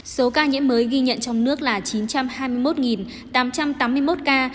số ca nhiễm mới ghi nhận trong nước là chín trăm hai mươi một